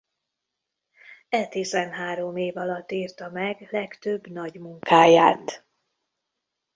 E tizenhárom év alatt írta meg legtöbb nagy munkáját.